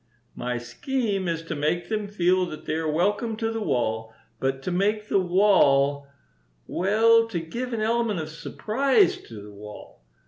"My scheme is to make them feel that they are welcome to the wall, but to make the wall well, to give an element of surprise to the wall.